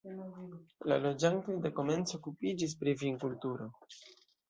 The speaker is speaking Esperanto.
La loĝantoj dekomence okupiĝis pri vinkulturo.